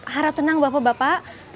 harap tenang bapak bapak